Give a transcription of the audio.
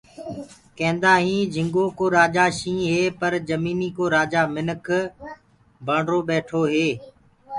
ڪينٚدآئينٚ جھنٚگو ڪو رآجآ شيٚهنٚ هي پر جميٚنيٚ ڪو رآجآ منک بڻرو ٻيٺو هي